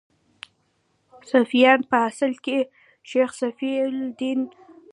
صفویان په اصل کې شیخ صفي الدین اردبیلي ته منسوب دي.